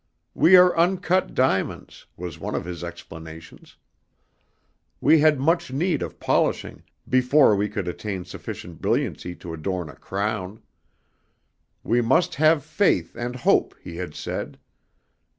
We are uncut diamonds, was one of his explanations. We had much need of polishing before we could attain sufficient brilliancy to adorn a crown. We must have faith and hope, he had said.